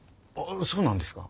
そうなんですか？